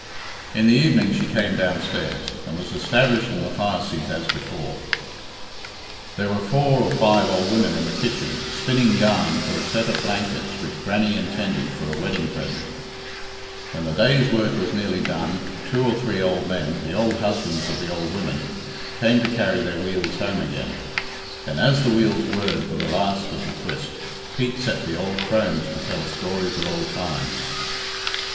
In the evening she came downstairs, and was established in the fire seat as before. There were four or five old women in the kitchen spinning yarn for a set of blankets which Grannie intended for a wedding present. "When the day's work was nearly done, two or three old men, the old husbands of the old women, came to carry their wheels home again. Then, as the wheels whirred for the last of the twist, Pete set the old crones to tell stories of old times.